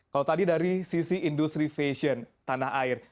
kalau tadi dari sisi industri fashion tanah air